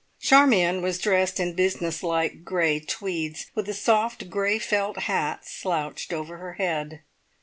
Charmion was dressed in business like grey tweeds, with a soft grey felt hat slouched over her head.